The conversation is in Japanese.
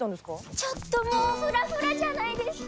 ちょっともうフラフラじゃないですか！